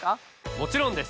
もちろんです！